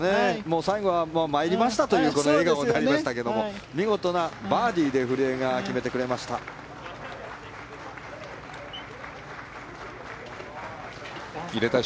最後は参りましたというこの笑顔になりましたけども見事なバーディーで古江が決めてくれました。